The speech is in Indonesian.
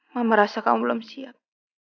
mama merasa kamu belum siap